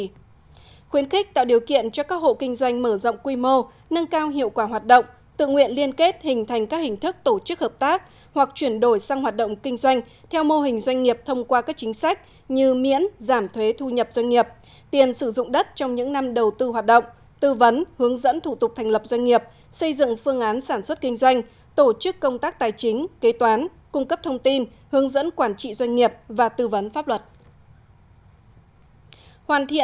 có các cơ chế chính sách khuyến khích tạo điều kiện cho các hộ kinh doanh mở rộng quy mô nâng cao hiệu quả hoạt động tự nguyện liên kết hình thành các hình thức tổ chức hợp tác hoặc chuyển đổi sang hoạt động kinh doanh theo mô hình doanh nghiệp thông qua các chính sách như miễn giảm thuế thu nhập doanh nghiệp tiền sử dụng đất trong những năm đầu tư hoạt động tư vấn hướng dẫn thủ tục thành lập doanh nghiệp xây dựng phương án sản xuất kinh doanh tổ chức công tác tài chính kế toán cung cấp thông tin hướng dẫn quản trị doanh